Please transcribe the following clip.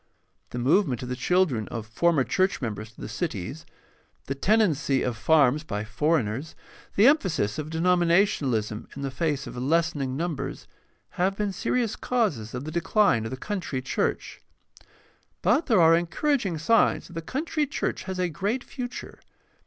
The movement of the chil dren of former church members to the cities, the tenancy of farms by foreigners, the emphasis of denominationalism in the face of lessening numbers, have been serious causes of the decline of the country church. But there are encouraging signs that the country church has a great future.